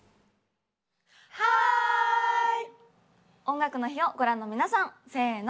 「音楽の日」をご覧の皆さん、せーの。